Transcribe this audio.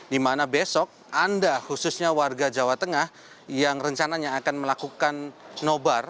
di mana besok anda khususnya warga jawa tengah yang rencananya akan melakukan nobar